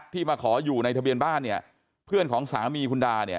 ที่มาขออยู่ในทะเบียนบ้านเนี่ยเพื่อนของสามีคุณดาเนี่ย